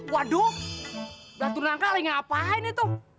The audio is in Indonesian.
waduh datang angka leher ngapain itu